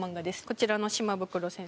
こちらの島袋先生